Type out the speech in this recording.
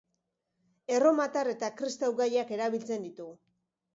Erromatar eta kristau gaiak erabiltzen ditu.